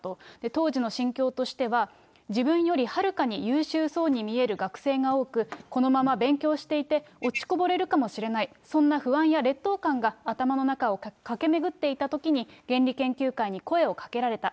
当時の心境としては、自分よりはるかに優秀そうに見える学生が多く、このまま勉強していて、落ちこぼれるかもしれない、そんな不安や劣等感が頭の中を駆け巡っていたときに、原理研究会に声をかけられた。